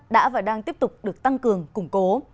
đã và đang tiếp tục được tăng cường củng cố